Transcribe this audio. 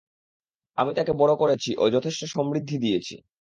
আমি তাকে বড় করেছি ও যথেষ্ট সমৃদ্ধি দিয়েছি।